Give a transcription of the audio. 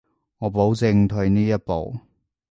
我保證退呢一步